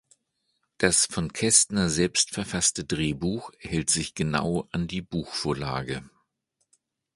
Das von Kästner selbst verfasste Drehbuch hält sich genau an die Buchvorlage.